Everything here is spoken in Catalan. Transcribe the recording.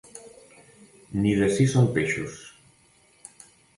Ni de si són peixos.